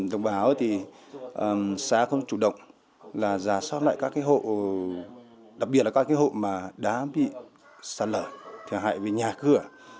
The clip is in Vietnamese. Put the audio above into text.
đồng báo xá không chủ động là giả soát lại các hộ đặc biệt là các hộ mà đã bị xa lở thiệt hại về nhà cửa